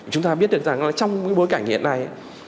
chúng ta biết được rằng là trong bối cảnh hiện nay